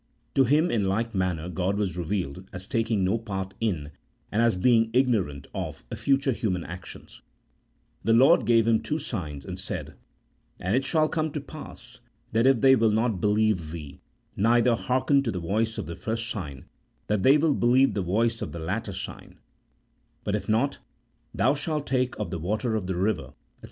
To him in like manner God was revealed as taking no part in, and as being ignorant of, future human actions : the Lord gave him two signs and said, " And it shall come to pass that if they will not believe thee, neither hearken to the voice of the first sign, that they will believe the voice of the latter sign ; but if not, thou shalt take of the water of the river," &c.